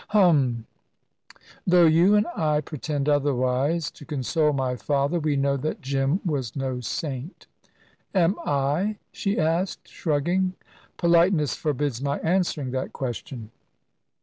"Hum! Though you and I pretend otherwise, to console my father, we know that Jim was no saint." "Am I?" she asked, shrugging. "Politeness forbids my answering that question."